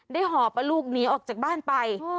ได้ห่อปลาลูกหนีออกจากบ้านไป